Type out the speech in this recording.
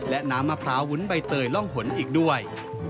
และน้ำมะพร้าววุ้นใบเตยร่องหนอีกด้วย